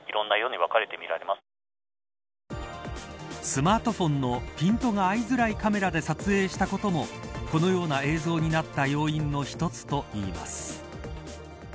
スマートフォンのピントが合いづらいカメラで撮影したこともこのような映像になった要因の一つといいます。